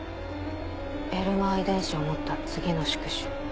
エルマー遺伝子を持った次の宿主。